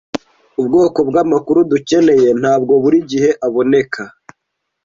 Ubwoko bwamakuru dukeneye ntabwo buri gihe aboneka.